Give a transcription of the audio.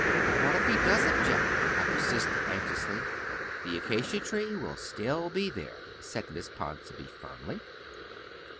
"But what if he does object?" I persisted anxiously. "The acacia tree will still be there," said Miss Ponsonby firmly.